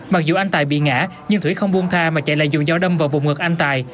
mặc dù anh tài bị ngã nhưng thủy không buông tha mà chạy lại dùng dao đâm vào vùng ngực anh tài